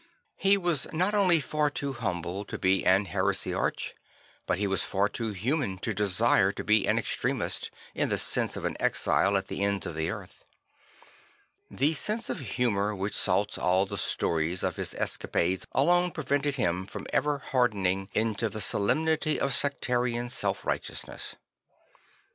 He was not only far too humble to be an heresiarch, but he was far too human to desire to be an extremist, in the sense of an exile a t the ends of the earth. The sense of humour which salts all the stories of his escapades alone preven ted him from ever hardening in to the solemnity of sectarian self righteousness.